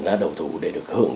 ra đầu thú để được hưởng